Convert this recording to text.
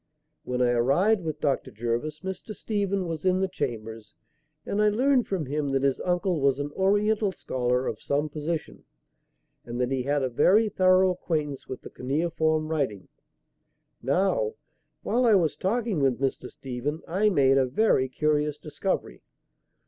When I arrived with Dr. Jervis, Mr. Stephen was in the chambers, and I learned from him that his uncle was an Oriental scholar of some position and that he had a very thorough acquaintance with the cuneiform writing. Now, while I was talking with Mr. Stephen I made a very curious discovery.